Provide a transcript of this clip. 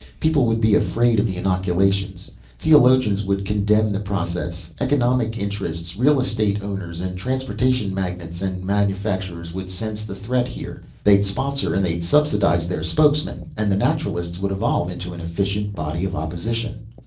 People would be afraid of the inoculations; theologians would condemn the process; economic interests, real estate owners and transportation magnates and manufacturers would sense the threat here. They'd sponsor and they'd subsidize their spokesmen and the Naturalists would evolve into an efficient body of opposition.